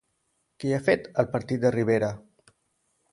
Què ha fet el partit de Rivera?